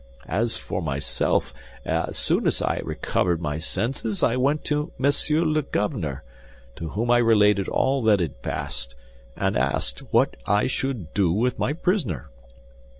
As for myself, as soon as I recovered my senses I went to Monsieur the Governor, to whom I related all that had passed, and asked, what I should do with my prisoner.